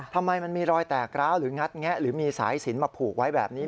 ทำไมมันมีรอยแตกร้าวหรืองัดแงะหรือมีสายสินมาผูกไว้แบบนี้